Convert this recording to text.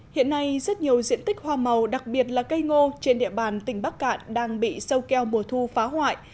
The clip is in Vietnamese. hiện nay rất nhiều diện tích hoa màu đặc biệt là cây ngô trên địa bàn tỉnh bắc cạn đang bị sâu keo mùa thu phá hoại